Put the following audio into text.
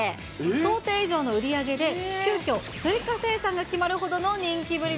想定以上の売り上げで、急きょ、追加生産が決まるほどの人気ぶり